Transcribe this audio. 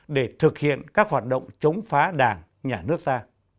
để thực hiện các hoạt động chống phá đảng nhà nước ta